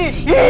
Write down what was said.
tante aku mau